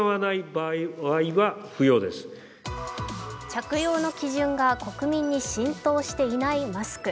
着用の基準が国民に浸透していないマスク。